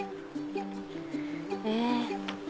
え。